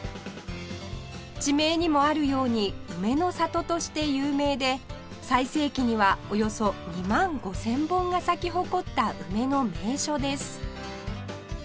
地名にもあるように梅の里として有名で最盛期にはおよそ２万５０００本が咲き誇った梅の名所です